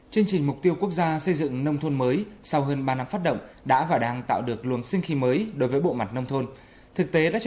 chương trình mục tiêu quốc gia xây dựng nông thôn mới sau hơn ba năm phát động đã và đang tạo được luồng sinh khí mới đối với bộ mặt nông thôn